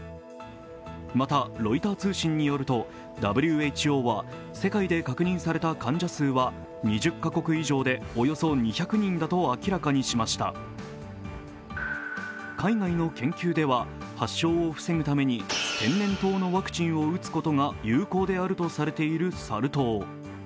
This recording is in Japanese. また、ロイター通信によるとＷＨＯは世界で確認された患者数は２０か国以上でおよそ２００人だと明らかにしました海外の研究では発症を防ぐために天然痘のワクチンを打つことが有効であるとされているサル痘。